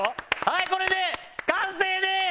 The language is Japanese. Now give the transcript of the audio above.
はいこれで完成です！